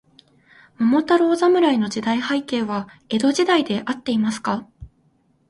桃太郎侍の時代背景は、江戸時代であっていますか。